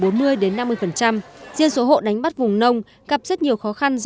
riêng số hộ đánh bắt vùng nông gặp rất nhiều khó khăn do